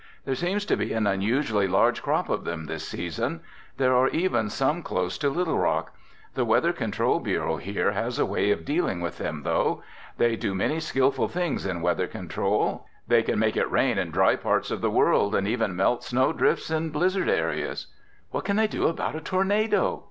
"There seems to be an unusually large crop of them this season. There are even some close to Little Rock. The Weather Control Bureau here has a way of dealing with them, though. They do many skillful things in Weather Control. They can make it rain in dry parts of the world and even melt snow drifts in blizzard areas." "What can they do about a tornado?"